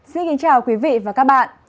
xin kính chào quý vị và các bạn